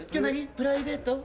プライベート？